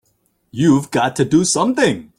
You've got to do something!